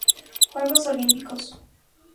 Juegos Olímpicos.